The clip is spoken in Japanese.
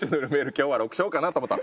今日は６勝かなと思ったら。